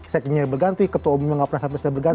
sekiannya berganti ketua umumnya nggak pernah sampai berganti